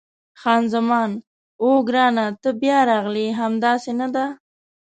خان زمان: اوه، ګرانه ته بیا راغلې! همداسې نه ده؟